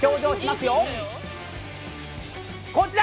こちら！